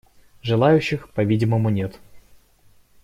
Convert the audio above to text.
Желающих, по-видимому, нет.